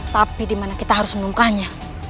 tapi dimana kita harus menungkahnya